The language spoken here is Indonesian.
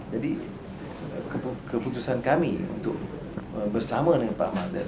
jadi keputusan kami untuk bersama dengan pak mahathir